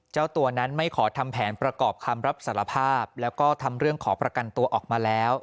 เจ้าตัวนั้นไม่ขอทำแผนประกอบคำรับสารภาพแล้วก็ทำเรื่องขอประกันตัวออกมาแล้ว